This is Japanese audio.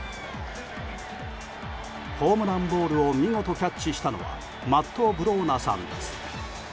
ホームランボールを見事キャッチしたのはマット・ブローナさん。